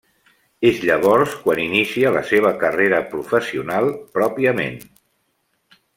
És llavors quan inicia la seva carrera professional, pròpiament.